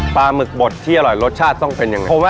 หมึกบดที่อร่อยรสชาติต้องเป็นยังไง